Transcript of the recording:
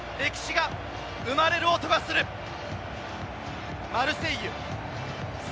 歴史が生まれる音がする、マルセイユ。